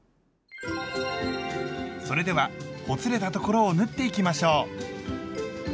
それではほつれたところを縫っていきましょう！